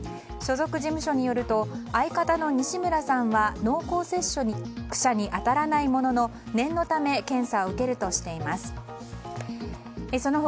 所属事務所によると相方の西村さんは濃厚接触者に当たらないものの念のため検査を受けるとしています。